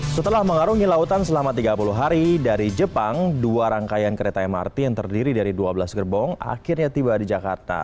setelah mengarungi lautan selama tiga puluh hari dari jepang dua rangkaian kereta mrt yang terdiri dari dua belas gerbong akhirnya tiba di jakarta